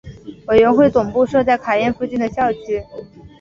委员会总部设在卡宴附近的郊区。